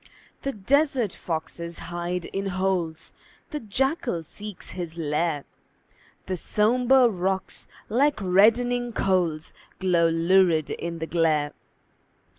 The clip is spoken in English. The desert foxes hide in holes, The jackal seeks his lair; The sombre rocks, like reddening coals, Glow lurid in the glare.